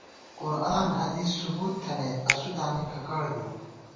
قرآن حدیث ثُبُوت تھنَئیت ، اسُو دامی کھکَڑ بِؤ